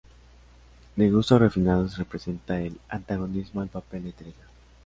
De gustos refinados, representa el antagonismo al papel de Teresa.